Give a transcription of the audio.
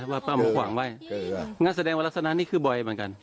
ว่าต่ำหัวควังไว้ถูกหรือเปล่างั้นแสดงว่ารักษณะนี้คือบ่อยเหมือนกัน